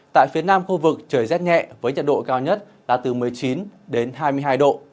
tại phía nam khu vực trời rét nhẹ với nhiệt độ cao nhất là từ một mươi chín đến hai mươi hai độ